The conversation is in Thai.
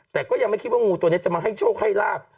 แต่ก็ยังไม่คิดว่างูตัวนี้จะมาให้โชคให้ลาบ